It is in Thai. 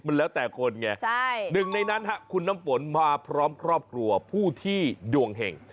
มันแล้วแต่คนไงหนึ่งในนั้นคุณน้ำฝนมาพร้อมครอบครัวผู้ที่ดวงเห็ง